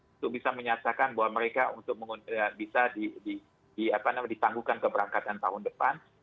itu bisa menyatakan bahwa mereka bisa ditanggungkan keberangkatan tahun depan